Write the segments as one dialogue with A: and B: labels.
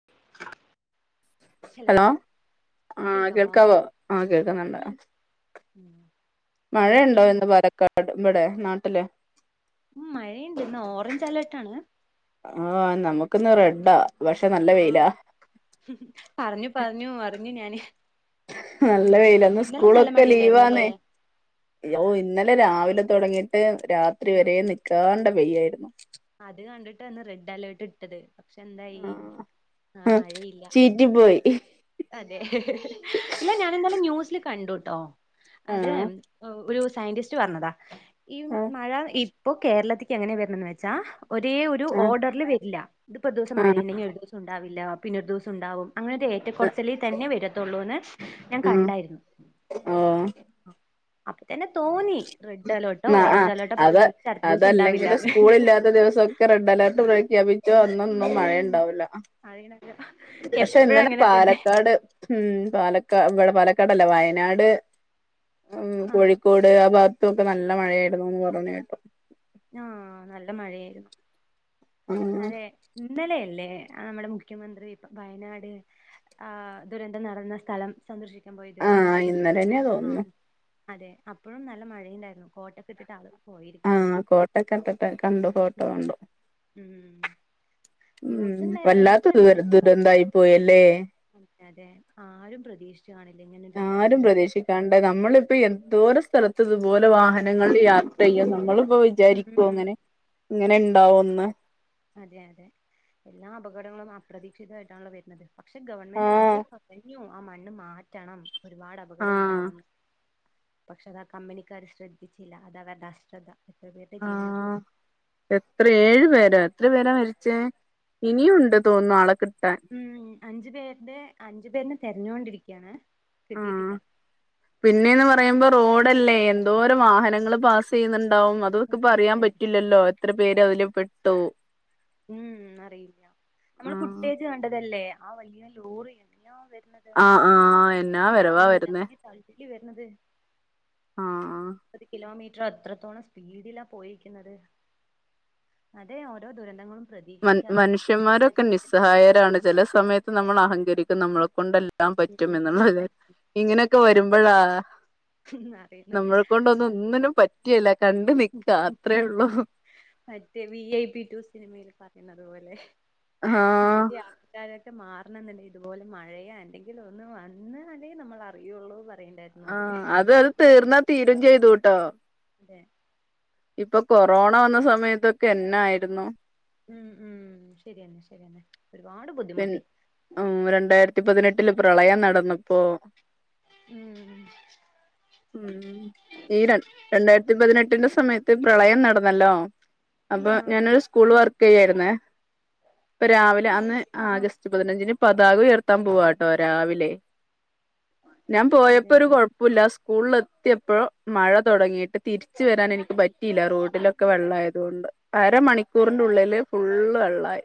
A: [inaudible]
B: Hello ആഹ് കേൾക്കാവോ ആഹ് കേൾക്കുന്നുണ്ട്
A: ഉം പിന്നെ
B: മഴയുണ്ടോ
A: എന്തൊക്കെയാണ്
B: ഇന്ന് പാലക്കാട് ഇവിടെ നാട്ടില്
A: ഉം മഴയുണ്ട് ഇന്ന് ഓറഞ്ച് അലേർട്ട് ആണ്
B: ആഹ് നമ്മക്കിന്ന് റെഡാ പക്ഷെ നല്ല
A: ആ
B: വെയിലാ
A: പറഞ്ഞു പറഞ്ഞു അറിഞ്ഞ് ഞാന്
B: നല്ല വെയിലന്ന് ഇന്ന്
A: ഇന്നലെ നല്ല
B: സ്കൂളൊക്കെ
A: മഴയുണ്ടായിരുന്നു അല്ലേ
B: ലീവാന്നേ യോ ഇന്നലെ രാവിലെ തൊടങ്ങിയിട്ട് രാത്രി
A: ആ
B: വരെ
A: ആ
B: നിക്കാണ്ട്‌ പെയ്യായിരുന്നു
A: അത് കണ്ടിട്ടാ ഇന്ന് റെഡ് അലേർട്ട് ഇട്ടത് പക്ഷെ എന്തായി ആ മഴയില്ല
B: ദിബോയ്
A: അതെ ഇല്ല ഞാൻ ഇന്നല ന്യൂസിൽ കണ്ടുട്ടോ അത്
B: ആഹ്
A: ഒരു സയന്റിസ്റ്റ് പറഞ്ഞതാ ഈ
B: ആഹ്
A: മഴ ഇപ്പൊ കേരളത്തിക്ക് എങ്ങനെ വരണന്ന് വെച്ചാ ഒരേ ഒരു
B: ആഹ്
A: ഓർഡറിൽ വരില്ല ഇതിപ്പ ഒരു ദിസം
B: ആഹ്
A: മഴയിണ്ടെങ്കിൽ ഒരു ദിവസം ഉണ്ടാവില്ല പിന്നെ ഒരു ദിവസം ഉണ്ടാവും അങ്ങനെരു ഏറ്റക്കുറച്ചിലി തന്നെ വെരത്തുള്ളൂന്ന് ഞാൻ
B: ഉം
A: കണ്ടായിരുന്നു അപ്പൊ തന്നെ തോന്നി റെഡ് അലേർട്ടോ
B: ന്നാ
A: ഓറഞ്ച്
B: ആഹ്
A: അലേർട്ടോ
B: അത്
A: പ്രഖ്യാപിച്ച അടുത്ത ദിവസം
B: അതല്ലെങ്കില്
A: ഉണ്ടാവില്ലാന്ന്
B: സ്കൂൾ ഇല്ലാത്ത ദിവസം ക്കെ റെഡ് അലർട്ട് പ്രെക്യപി ചെ അന്നൊന്നും
A: ഉം
B: മഴയുണ്ടാവില്ല
A: അറിയണല്ലോ
B: പക്ഷെ
A: എപ്പഴും
B: ഇന്നലെ
A: അങ്ങനെ തന്നെ
B: പാലക്കാട് ഉം പാലക്കാ ഇവിടെ പാലക്കാടല്ല വയനാട് ഉം
A: ആഹ്
B: കോഴിക് ക്കോട് ആ ഭാഗത്തുംക്കെ നല്ല മഴയായിരുന്നുന്ന് പറയുന്ന കേട്ടു
A: ആഹ് നല്ല മഴയായിരുന്നു
B: ആഹ്
A: അതെ ഇന്നലെഅല്ലേ അ നമ്മുടെ മുഖ്യമന്ത്രി ഇപ്പ വയനാട് ആഹ് ദുരന്തം നടന്ന സ്ഥലം സന്ദർശിക്കാൻ പോയത്
B: ആഹ് ഇന്നലെന്നെയാ തോന്നുന്നു
A: ആഹ് അതെ അപ്പോഴും നല്ല മഴയുണ്ടായിരുന്നു കോട്ടക്കെ ഇട്ടിട്ടാ ആൾ പോയിരിക്കുന്നത്
B: ക്കെഇട്ട്ട്ട് കണ്ടു ഫോട്ടോ കണ്ടു
A: ഉം
B: ഉം
A: ന്യൂസിണ്ട
B: വല്ലാത്ത ദൂര ദുരന്തായി പോയല്ലേ
A: മ് അതെ ആരും പ്രതീക്ഷിച്ചു കാണില്ല ഇങ്ങനെ ഒരു സ്ഥലത്ത്
B: കണ്ടൊ നമ്മളിപ്പ എന്തോര സ്ഥലത്ത് ഇതുപോലെ വാഹനങ്ങിൽ യാത്ര ചെയ്യ നമ്മളിപ്പോ വിചാരിക്കുവൊ
A: ഉം
B: ഇങ്ങനെ ഇങ്ങനെ
A: അതെ
B: ഇണ്ടാവോന്ന്
A: അതെ അതെ എല്ലാ അപകടങ്ങളും അപ്രതീക്ഷിതവായിട്ടാണല്ലോ വരുന്നത് പക്ഷെ ഗവൺമെന്റ്
B: ആഹ്
A: ആദ്യവെ പറഞ്ഞു ആ മണ്ണ് മാറ്റണം ഒരുപാട് പകടം
B: ആഹ്
A: ഉണ്ടാവുന്നു പക്ഷെ അതാ കമ്പനിക്കാര് ശ്രദ്ധിച്ചില്ല അത അവരുടെ അശ്രദ്ധ എത്ര പേരുടെ ജീവനെടുത്തു
B: ആഹ് എത്ര ഏഴു പേരാ എത്ര പേരാ മരിച്ചേ ഇനിയുണ്ട് തോന്നുന്നു ആളെ കിട്ടാൻ
A: ഉം അഞ്ചു പേരുടെ അഞ്ചു പേരനെ തെരഞ്ഞൊണ്ടിരിക്ക്യാണ് കിട്ടിയിട്ടില്ല
B: പിന്നെയെന്ന് പറയുമ്പോ റോഡല്ലേ എന്തോരം വാഹനങ്ങള് പാസ്യ്യുന്നുണ്ടാവും അ തൊക്ക്
A: അതെ
B: പറയാൻ
A: അതെ
B: പറ്റില്ലല്ലോ എത്ര പേര് അതില് പെട്ടു
A: ഉം അറിയില്ല നമ്മള്
B: ആഹ്
A: പുട്ടേജ് കണ്ടതല്ലേ ആ വലിയ ലോറി എങ്ങന്യാ വരുന്ന
B: ആഹ് ആഹ് എന്നാ വരവാ വരുന്നേ
A: [unintelligible] വരണത്
B: ആഹ്
A: പ്പത് കിലോമീ റ്റർ അത്രത്തോളം സ്പീഡിലാ പോയിരിക്കുന്നത് അതെ ഓരോ ദുരന്തങ്ങളും
B: മൻ
A: പ്രതീക്ഷിക്കാതെ അപ്രതീക്ഷിതമായി
B: മനുഷ്യന്മാരൊക്കെ
A: തന്നെ വരുന്നത്
B: നിസ്സഹായരാണ് ചെല സമയത്ത് നമ്മൾ അഹങ്കരിക്കും നമ്മളെ കൊണ്ടല്ലേ ടാൻ പറ്റും എന്നുള്ളതിന് ഇങ്ങനെക്കെ വരുംമ്പഴ
A: ഉം അറിയുന്നത്
B: നമ്മളെ കൊണ്ടൊന്നും ഒന്നിനും പറ്റെയ്‌ല കണ്ട് നിക്ക അത്രയേ ഉള്ളൂ
A: മറ്റേ വി ഐ പി ടു സിനിമയിൽ പറയുന്നത് പോലെ
B: ആഹ്
A: നമ്മുടെ അ കാരൊക്കെ മാറണംന്നുണ്ടെ ഇതുപോലെ മഴയ എന്തെങ്കിലും ഒന്ന് വന്ന് അല്ലെ നമ്മൾ അറിയുള്ളൂ പറയണ്ടേ
B: ആഹ് അത് അത് തീർന്നാ തീരും ചെയ്തൂട്ടോ
A: ഏഹ്
B: ഇപ്പൊ കൊറോണ വെന്ന സമയത്തൊക്കെ എന്നായ്ര്ന്നു
A: ഉം ഉം ശെര്യന്നെ ശെര്യെന്നെ ഒരുപാട്
B: പിൻ
A: ബുദ്ധിമുട്ടി
B: ഉം രണ്ടായിരത്തി പതിനെട്ടില് പ്രളയം നടന്നപ്പോ
A: ഉം
B: ഉം ഈ ര രണ്ടായ്ര്ത്തി പതിനെട്ടിന്റെ സമയത്ത് പ്രളയം നടന്നല്ലോ അപ്പം
A: ആഹ് ആഹ്
B: ഞാനൊരു സ്കൂൾ വർക്കെയ്യായ്ര്ന്നേ അപ്പൊ രാവിലെ അന്ന്
A: ആഹ് ആഹ്
B: ആഗസ് റ്റ് പതിനഞ്ചിന് പതാക ഉയർത്താൻ പോവാട്ടോ രാവിലെ ഞാൻ
A: അതെ
B: പോയപ്പൊരു
A: അതെ
B: കൊയ പ്പുല്ലാ സ്കൂൾലെത്ത്യപ്പോ മഴ തൊടങ്ങിയിട്ട് തിര്ച്ച് വെരാനെനിക്ക് പറ്റിയിലാ റോഡ്ലൊ ക്കെ വെള്ളായതോണ്ട് അരമണിക്കൂറിന്റുള്ളില് ഫുള്ള് വെള്ളായി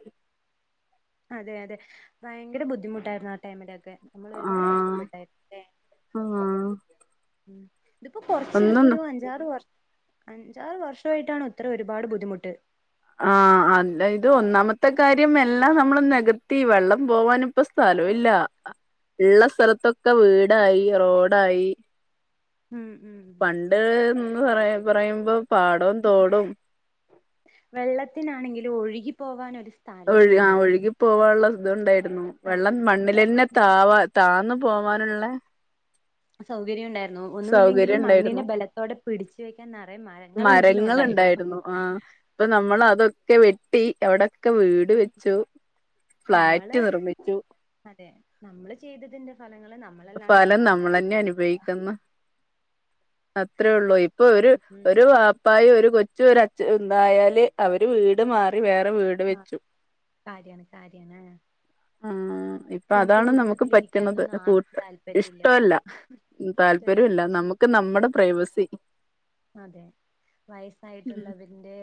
A: അതെ അതെ ഭയ്ങ്കര ബുദ്ധിമുട്ടായ്ര്ന്നു ആ ടൈമിലൊക്കെ നമ്മളൊരുപാട്
B: ആഹ്
A: കഷ്ടപ്പെട്ടേ ലേ
B: ആഹ്
A: ഇതിപ്പോ
B: ഒന്നും
A: കൊറ്ച്ചിതിപ്പൊരു അഞ്ചാറ് വർ അഞ്ചാറ് വർഷായിട്ടാണ് ഇത്ര ഒരുപാട് ബുദ്ധിമുട്ട്
B: ആഹ് അതായത് ഒന്നാമത്തെ കാര്യം എല്ലാം നമ്മൾ നെകത്തി വെള്ളം പോവാനും പ്പ സ്ഥലൂല്ല ള്ള സ്ഥെലത്തൊക്കെ വീടായി റോഡായി
A: ഉം ഉം
B: ഏഹ് ന്ന് പറ പറയുമ്പോ പാടും തോടും
A: വെള്ളത്തിനാണെങ്കില് ഒഴുകി പോവാനൊര്
B: ഒഴ് ആഹ് ഒഴുകി പോകാന്ള്ള ഇതുണ്ടായ്ര്ന്നു
A: സ്ഥല
B: വെള്ളം
A: പോരാത്തെ
B: മണ്ണിലെന്നെ താവാ താന്ന് പോവാന്ള്ളെ
A: സൗകര്യണ്ടായിരുന്നു ഒന്നുല്ലെങ്കിലും
B: സൗകര്യം ഉണ്ടായിരുന്നു
A: മണ്ണിനെ ബെലത്തോടെ പിടിച്ച് വെക്കാൻ നറെ മഴ ങ്ങളെങ്കിലുണ്ടായിരുന്നു
B: മരങ്ങളുണ്ടായിരുന്നു ആഹ് പ്പനമ്മളതൊക്കെ വെട്ടി അവ്ടെ ക്കെ വീട്
A: ഉം
B: വെച്ചു ഫ്ളാറ്റ്
A: നമ്മള്
B: നിർമ്മിച്ചു
A: അതെ നമ്മൾ ചെയ്തതിന്റെ ഫലങ്ങൾ നമ്മ
B: ഫലം നമ്മളെന്നെ അനുഭവിക്ക്ന്ന് അത്രേയൊള്ളൂ ഇപ്പൊര്
A: ഉം
B: ഒരു വാ പ്പായും ഒരു കൊച്ചും ഒരച്ചനും ണ്ടായാല് അവര് വീട് മാറി വേറെ വീ
A: ആഹ് കാര്യാണ് കാര്യാണ്
B: ആഹ് ഇപ്പ അതാണ് നമുക്ക് പറ്റ്ന്നത്
A: താല്പര്യല്ലാ ഇഷ്ടല്ലാ
B: താല്പര്യമില്ല നമുക്ക് നമ്മടെ പ്രൈവസി
A: അതെ വയസ്സായിട്ടുള്ളതിൻ്റെ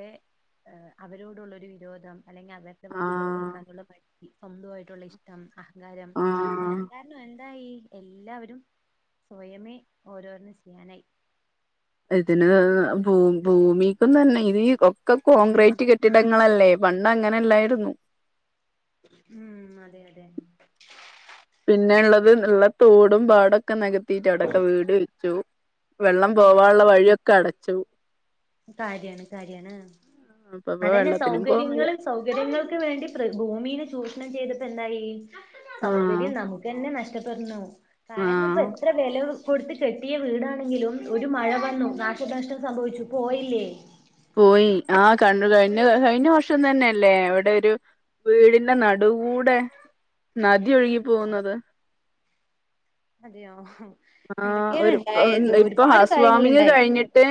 A: അവരോടുള്ളൊരു വിരോധാണ് അല്ലെങ്കി അവർടെ വാക്ക്കൾ അല്ലെങ്കി അന്നേരത്തെ വാക്കുകൾ
B: ആഹ്
A: കേൾക്കാനുള്ള മടി സ്വന്തായ്ട്ടുള്ള ഇഷ് ടം അഹങ്കാരം എല്ലാം
B: ആഹ്
A: കാരണവാണ് ന്തായി എല്ലാവരും സ്വയമേ ഓരോന്ന് ചെയ്യാനായി
B: ഇതിന് ഭൂ ഭൂമിപ്പം തന്നെ ഇനി ഒക്കെ
A: ഉം
B: കോൺക്രീറ്റ് കെ ട്ടിടങ്ങളല്ലേ പണ്ടങ്ങനെല്ലായിരുന്നു
A: ഉം അതെ അതെ
B: പിന്നെള്ളത് ഉള്ള തോടും പാടൊക്കെ നെകത്തീട്ടവിടെക്ക വീട് വെച്ചു വെള്ളം
A: ഉം
B: പോവാനുള്ള വഴിയൊക്കെ അടച്ചു
A: കാര്യാണ് കാര്യാണ്
B: അപ്പ ഇപ്പ
A: അതെന്നെ
B: വെള്ളത്തിനും പോകാൻ വയ്യ
A: സൗകര്യങ്ങൾ സൗകര്യങ്ങൾക്ക് വേണ്ടി പ്രക് ഭൂമീൽ ചൂഷ്ണം ചെയ്തിട്ടെന്തായി
B: ആഹ്
A: സൗകര്യം നമുക്കെന്നെ നഷ്ടപ്പെട്ണു കാര്ണം
B: ആഹ്
A: പ്പെത്ര വെല കൊട്ത്ത് കെട്ടിയ വീടാണെങ്കിലും ഒരു മഴ വന്നു നാശനഷ്ടം സംഭവിച്ചു പോയില്ലേ
B: പോയി ആ
A: അത്ര
B: കണ്ണു
A: അത്രേ
B: കഴിഞ്ഞ
A: ഉള്ളൂ
B: കഴിഞ്ഞ വർഷം തന്നെയല്ലേ അവിടൊരു വീടിന്റെ നടു ടുകൂടെ നദി ഒഴുകിപ്പോന്നത്
A: അതെയോ
B: ആഹ്
A: എന്തൊക്കെയാണ്
B: ഒരു ഇപ്പം
A: ഉണ്ടായത്
B: ഇപ്പം
A: ഒരുപാട്
B: ഹൗസ് വാമിങ്
A: കാര്യങ്ങളുണ്ടായി
B: കഴിഞ്ഞിട്ട്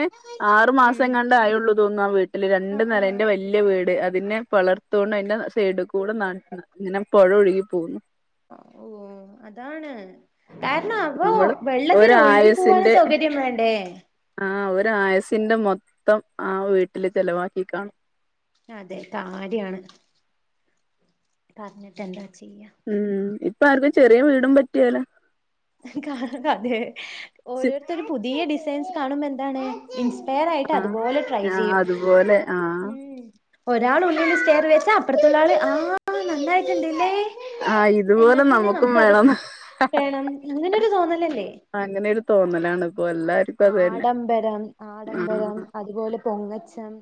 B: ആറു മാസം
A: ഉം
B: എങ്ങാണ്ടെ ആയുള്ളു തോന്നുവാ വീട്ടില് രണ്ട്
A: ആഹ്
B: നെലയാണ് വല്ലിയ വീട് അതിന്റെ [unintelligible] ഇങ്ങനെ പുഴ ഒഴുകി പോകുന്നു
A: [unintelligible] അതാണ് കാരണം അപ്പൊ
B: നമ്മള്
A: വെള്ളത്തിന് ഒഴുകി പോവാനും
B: ഒരായസിന്റെ
A: സൗകര്യം വേണ്ടേ
B: ആഹ് ഒരായസിന്റെ മൊത്തം ആ വീട്ടില് ചെലവാക്കി കാണും
A: അതെ കാര്യാണ് പറഞ്ഞിട്ടെന്താ ചെയ്യാ
B: ഉം ഇപ്പ ആർക്കും ചെറിയ വീടും പറ്റ്കേല
A: കാരണം അതെ ഓരോരുത്തരും പുതിയ ഡിസൈൻസ് കാണുമ്പോ എന്താണ് ഇൻസ്പയർ ആയിട്ട്
B: ആഹ്
A: അതുപോലെ ട്രൈ
B: ആഹ്
A: ചെയ്യും
B: അതുപോലെ ആഹ്
A: ഉം ഒരാൾ ഉള്ളിൽ സ്റ്റേർ വെച്ച അപ്പുറത്തുള്ള ആള് ആ നന്നായിട്ടുണ്ടല്ലേ
B: ആഹ്
A: എന്നാ
B: ഇതുപോലെ
A: പിന്നെ
B: നമുക്കും
A: നമുക്ക് അത്
B: വേണംന്ന്
A: വേണം ഇങ്ങനൊരു തോന്നലല്ലേ
B: അങ്ങനെ ഒരു തോന്നലാണ് ഇപ്പൊ എല്ലാർക്കും അത് തന്നെ
A: ആഡംബരം
B: ആഹ്
A: ആഡംബരം അതുപോലെ പൊങ്ങച്ചം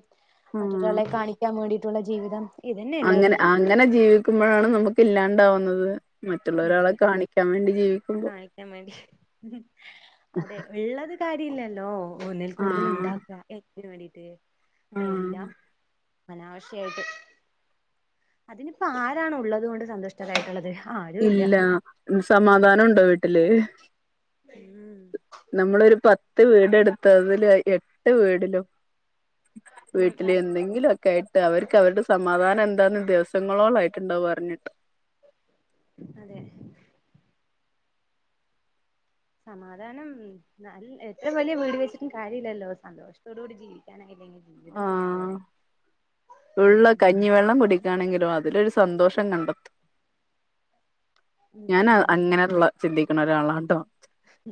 B: ആഹ്
A: മറ്റൊരാളെ കാണിക്കാൻ വേണ്ടിയിട്ടുള്ള ജീവിതം ഇതന്നെ
B: അങ്ങനെ
A: എല്ലാവരും
B: അങ്ങനെ ജീവിക്കുമ്പോഴാണ് നമുക്ക് ഇല്ലാണ്ടാവുന്നത്
A: അതെ
B: മറ്റുള്ളൊരാളെ കാണിക്കാൻ വേണ്ടി ജീവിക്കുമ്പോ
A: കാണിക്കാൻ വേണ്ടി അതെ ഉള്ളത് കാര്യവില്ലല്ലോ ഒന്നിൽ കൂടുതൽ
B: ആഹ്
A: ഉണ്ടാക്കുക എന്തിന് വേണ്ടീട്ട്
B: ആഹ്
A: എല്ലാം അനാവശ്യായായിട്ട് അതിനിപ്പോ ആരാണ് ഉള്ളതുകൊണ്ട് സന്തുഷ്ടരായിട്ടുള്ളത്
B: ഇല്ല സമാധാനം ഉണ്ടോ വീട്ടില്
A: ഉം
B: നമ്മളൊരു പത്ത് വീട് എടുത്തതില് എട്ട് വീടിലും
A: ഉം ഉം
B: വീട്ടില്
A: ഉം
B: എന്തെങ്കിലും ഒക്കെ ആയിട്ട് അവർക്ക് അവരുടെ സമാധാനം എന്താന്ന് ദിവസങ്ങളോളം ആയിട്ടുണ്ടാവും അറിഞ്ഞിട്ട്
A: അതെ സമാധാനം ന എഏത്ര വലിയ വീടിവെച്ചിട്ടും കാര്യല്ലല്ലോ സന്തോഷത്തോട കൂടി ജീവിക്കും ക്കാനായില്ലെങ്കി ജീവിതം
B: ആഹ്
A: പിന്നെന്തിനാ
B: ഉള്ള കഞ്ഞിവെള്ളം കുടിക്കാണെങ്കിലും അതിലൊരു സന്തോഷം കണ്ടെത്തും
A: ഉം
B: ഞാന അങ്ങനെയുള്ള ചിന്തിക്കുന്ന ഒരാളാട്ടോ
A: ഉ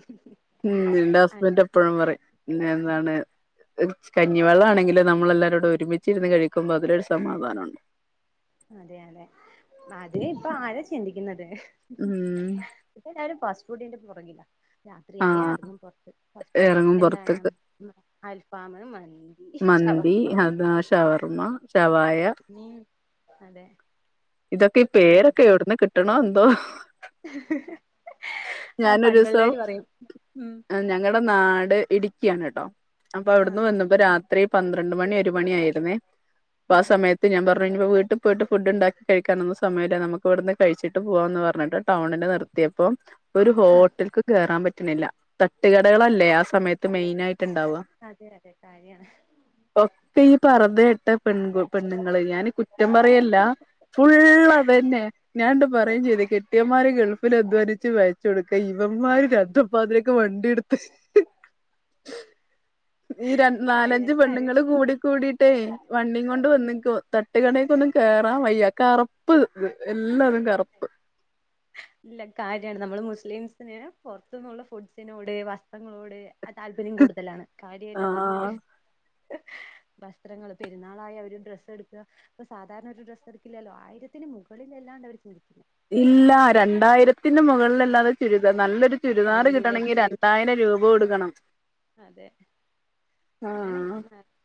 B: ഉ ന്റെ ഹസ്ബൻഡ് എപ്പഴും പറയുംന്ന എന്താണ് കഞ്ഞിവെള്ളം ആണെങ്ക നമ്മളെല്ലാരോടെ ഒരുമിച്ചിരുന്ന് കഴിക്കുമ്പോ അതിൊരു സമാധാനംണ്ട്
A: അതെ അതെ അതിന്പ്പൊ ആര ചിന്തിക്കുന്നത്
B: ഉം
A: ഇപ്പൊ എല്ലാവരുംഫാസ്റ്റ് ഫുഡിന്റെ പുറകില രാത്രിയായ
B: ആഹ്
A: എറങ്ങും പുറത്ത്
B: ഇറങ്ങും
A: എന്താണ്
B: പുറത്തേക്ക്
A: അൽ ഫാമ് മ
B: മന്തി അത ശവർമ്മ ഷവായ
A: നീ അതെ
B: ഇതൊക്കെ ഈ
A: ഉം
B: പേരൊക്കെ
A: ഇപ്പൊ
B: എവിടന്ന് കിട്ടണോ എന്തോ
A: ആ
B: ഞാനൊരു ദിവസം
A: പണ്ടുള്ളവര് പറയും ഉ
B: ഞങ്ങളുടെ നാട് ഇടുക്കിയാണ് കേട്ടോ അപ്പൊ
A: ആ
B: അവിടുന്ന്
A: ആ
B: വന്നപ്പോ രാത്രി ത്രി പന്ത്രണ്ട് മണി ഒരു മണിയായിയിുന്നേ അപ്പൊ
A: ഉം
B: ആ
A: ഉം
B: സമയത്ത് ഞാൻ പറഞ്ഞു ഇനിയിപ്പോവീട്ടിൽ പോയിട്ട് ഫുഡ് ഉണ്ടാക്കി കഴിക്കാനൊന്ന സമയമല്ല നമുക്ക് ഇവിടുന്ന് കഴിച്ചിട്ട് പോവാ എന്ന് പറഞ്ഞിട്ട് ടൗണില് നിർത്തിയപ്പോൊ ഒരു
A: ആ
B: ഹോട്ടൽ കേയറാൻ പറ്റുന്നില്ല തട്ടുകടകളല്ലേ ആ സമയത്ത് മെയിൻ ആയിട്ട്ണ്ടാവുക
A: അതെ അതെ കാര്യാണ്
B: ഒക്കെ ഈ പറത ഇട്ട പെൺു പെണ്ണുങ്ങള്ൾ ഞാൻീ കുറ്റം പറയല്ല ഫുള് അത് തന്നെ ഞാാന പറയയും ചെയ്തുത് കെട്ടിയോമാര് ഗൾഫിൽ അധ്വാനിച്ച് പൈസ കൊടുക്ക ഇവന്മാര് നട്ടപ്പാതിരക്ക് വണ്ടിയടുത്ത് ഈ ര നാലഞ്ച്
A: കാര്യാണ്
B: പെണ്ണ്ങ്ങൾ
A: കാര്യാണ്
B: കൂടി കൂടിട്ടേ വണ്ടിയും കൊണ്ട് വന്നിക്കോ തട്ട്കടേക്കൊന്ന കേറാൻ വയ്യ കറുപ്പ് എല്ലാതും
A: അതെ
B: കറുപ്പ്
A: ഇല്ല കാര്യാണ് നമ്മള് മുസ്ലിംസിന് പുറത്തു നിന്നുള്ള ഫുഡ്സിനോട് വസ്ത്രങ്ങളോട് ആ താല്പര്യം കൂടുതലാണ് കാര്യമായിട്ടാ പറഞ്ഞത്
B: ആഹ്
A: വസ്ത്രങ്ങള്ൾ പെരുന്നാളായി അവരും ഡ്രസ്സ് എടുക്കുക ഇപ്പൊ സാധാരണ ഒരു ഡ്രസ് എട്ക്കില്ലല്ലോ ആയിരത്തിന് മുകളിലല്ലാണ്ട് അവര് ചിന്തിക്കില്ല
B: ഇല്ല രണ്ടായിരത്തി ത്തിന്റെ
A: ആഹ്
B: മുകളിലല്ലാതെ ചുരിദാ നല്ലൊരു ചുരിദാർ
A: തല്ലി
B: കിട്ടണമെങ്കിൽ
A: വെച്ചത്
B: രണ്ടായിരം രൂപ കൊടുക്കണം
A: അതെ അങ്ങനെ
B: ആഹ്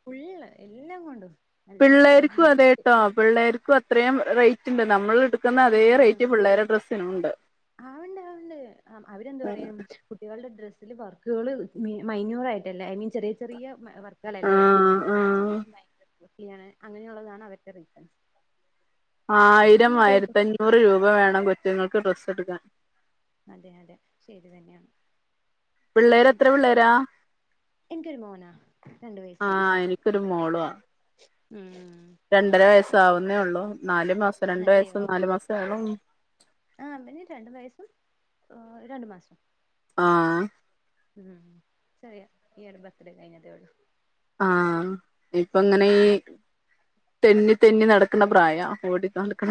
A: ഫള്ള് എല്ലാം കൊണ്ട
B: പിള്ളേർക്കും അത ട്ടോ പിള്ളേർക്കും അത്രയും റേറ്റ് ഉണ്ട് നമ്മൾ എടു ക്കുന്നഅതേ
A: ഉം
B: റേറ്റ് പിള്ളേരെ ഡ്രസ്സിനും ഉണ്ട്
A: ആവണ്ട് ആ വ്ണ്ട് അവരെന്ത് പറയും കുട്ടികളുടെ ഡ്രസ്സിൽ വർക്കുകൾ മൈനയൂർ ആയിട്ടല്ലേ ഐ ന് ഈചെറിയ ചെറിയ വർക്കൾല്ലേയ
B: ആഹ് ആഹ്
A: [unintelligible] അങ്ങനെയുള്ളതാണ് അവരുടെ റീസൺസ്
B: ആയിരം ആയിരത്തി അഞ്ഞൂറ് രൂപ വേണം കൊച്ചുങ്ങൾക്ക് ഡ്രസ്സ് എടുക്കാൻ
A: അതെ അതെ ശരി തന്നെയാണ്
B: പിള്ളേര് എത്ര പിള്ളേരാ
A: എനിക്കൊരു മോനാ രണ്ടു വയസായി
B: ഒരു മോളുആ
A: ഉം
B: രണ്ടര വയസ്സ ആവുന്നേ ഉള്ളൂ നാലല് മാസം രണ്ടു വയസോ
A: അതെയോ
B: നാലല് മാസം ആും
A: ആ വന്ന് രണ്ട് വയസ്സും രണ്ട് മാസം
B: ആ
A: ഉം ചെറിയ ഈയിടെ ബർത്ത്ഡേ കഴിഞ്ഞതേ ഒള്ളു
B: ആഹ് ഇപ്പൊ ഇങ്ങനെ ഈ തെന്നി തെന്നി നടക്കുന്ന പ്രായാ ഓടിക്കാണ്ട്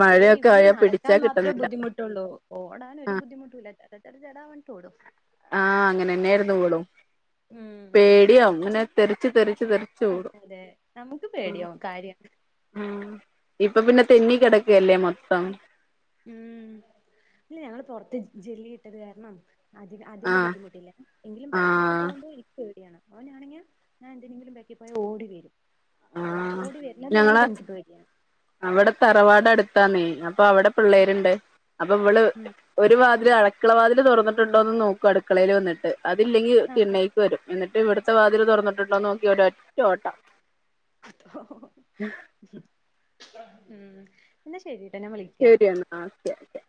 B: മഴയൊക്കെ ആയാ പിടിച്ചാ കിട്ടുന്നില്ല
A: ട്ടൊള്ളൂ ഓടാന് ഒരു
B: ആഹ്
A: ബുദ്ധിമുട്ടൂല്ല ച ചടാൻ വേണ്ടീട്ടോടും
B: ആഹ് അങ്ങനെന്നെയായിരുന്നു വളും
A: ഉം ഉം
B: പേടിയാവും ങ്ങനെ തെറിച്ച് തെറിച്ച് തെറി
A: അതെ അതെ നമുക്ക് പേടിയാവും. കാര്യം
B: ഉം ഇപ്പൊ പിന്നെ തെന്നി കിടക്കല്ലേ മൊത്തം
A: ഉം ഇല്ല ഞങ്ങള് പൊറത്ത് ജെല്ലിയിട്ടത് കാരണം അതി അതിന്റെ
B: ആഹ്
A: ബുദ്ധിമുട്ടില്ല എങ്കിലും ബാക്കിലൊക്കെ
B: ആഹ്
A: പോകുമ്പോ ഇക്ക് പേടിയാണ് അവനാണെങ്കി ഞാൻ എന്തെങ്കിലും ബാക്കിൽ പോയാ ഓടി വരും
B: ആഹ്
A: ഓടി വരുന്നത് കാണുമ്പോ
B: ഞങ്ങളെ
A: എനിക്ക് പേടിയാണ്
B: അവിടെ തറവാട് അടുത്താണേ അപ്പൊ അവിടെ
A: ആ
B: പിള്ളേരുണ്ട് അപ്പൊ ഇവള്
A: ഉം
B: ഒരു വാതില് അഴക്കള വാതില് തുറന്നിട്ടുണ്ടോ എന്ന് നോക്കും അടുക്കളയിൽ വന്നിട്ട് അതില്ലെങ്കിൽ
A: ആ ആ
B: തിണ്ണയി വരും എന്നിട്ട് ഇവിടുത്തെ വാതിൽ തുറന്നിട്ടുണ്ടോന്ന് നോക്കി ഒര ഒറ്റ ഓട്ടം
A: അതാ
B: ഉം
A: ഉം. എന്നാ ശരിട്ട ഞാൻ വിളിക്കാ
B: ആക്കെ ഓക്കെ